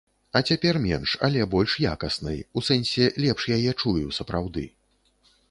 А цяпер менш, але больш якаснай, у сэнсе, лепш яе чую, сапраўды.